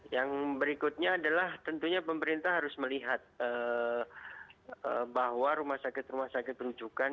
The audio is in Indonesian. yang berikutnya adalah tentunya pemerintah harus melihat bahwa rumah sakit rumah sakit rujukan